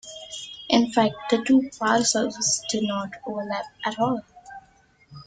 In fact, the two parcels did not overlap at all.